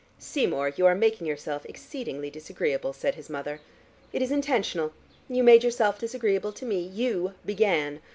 "Seymour, you are making yourself exceedingly disagreeable," said his mother. "It is intentional. You made yourself disagreeable to me: you began.